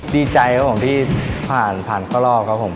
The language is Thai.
ดีใจครับผมที่ผ่านผ่านเข้ารอบครับผม